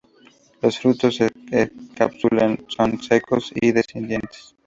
Los frutos en cápsulas, son secos y dehiscentes.